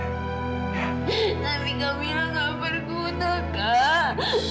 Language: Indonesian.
tapi kak mila gak berguna kak